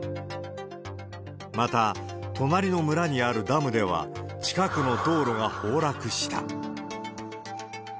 また、隣の村にあるダムでは、近くの道路が崩落した。